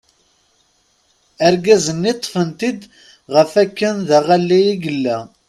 Argaz-nni ṭṭfen-t-id ɣef akken d aɣalli i yella.